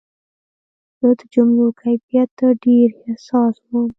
زه د جملو کیفیت ته ډېر حساس وم.